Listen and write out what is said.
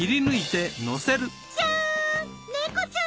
じゃん